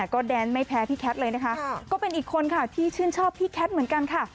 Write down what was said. ก็แดนไม่แพ้พี่แคทเลยนะคะก็เป็นอีกคนค่ะที่ชื่นชอบพี่แคทเหมือนกันค่ะ